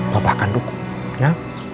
papa akan dukung ya